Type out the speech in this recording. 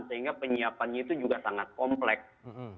sehingga penyiapannya itu juga sangat kompleks